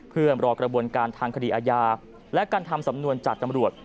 เพื่อรอกระบวนการทางคดีอาญาและการทำสำนวนจากตำรวจ